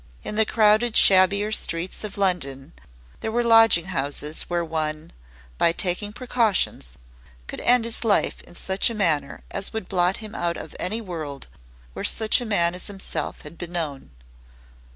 In the crowded shabbier streets of London there were lodging houses where one, by taking precautions, could end his life in such a manner as would blot him out of any world where such a man as himself had been known.